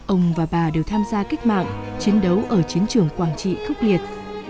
ông và bà đều tham gia cách mạng chiến đấu ở chiến trường quảng trị khốc liệt